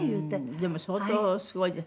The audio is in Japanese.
でも相当すごいです。